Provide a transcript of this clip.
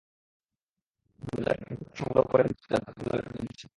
গোয়েন্দারা সব নথিপত্র সংগ্রহ করে ফেলছে যার জন্য ঝামেলাটা বেঁধেছে।